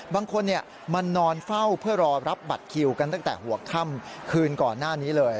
บางคนมานอนเฝ้าเพื่อรอรับบัตรคิวกันตั้งแต่หัวค่ำคืนก่อนหน้านี้เลย